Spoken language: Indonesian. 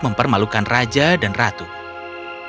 beberapa hari kemudian tiana yang berbahasa inggris menangis